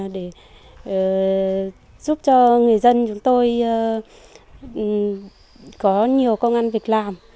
để giúp cho người dân chúng tôi có nhiều công an việc làm